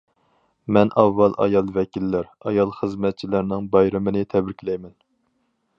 مەن ئاۋۋال ئايال ۋەكىللەر، ئايال خىزمەتچىلەرنىڭ بايرىمىنى تەبرىكلەيمەن.